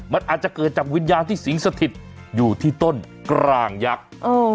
มันอาจจะเกิดจากวิญญาณที่สิงสถิตอยู่ที่ต้นกลางยักษ์